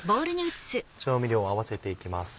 調味料を合わせていきます。